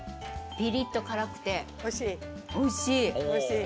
ピリッと辛くておいしい。